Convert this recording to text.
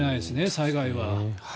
災害は。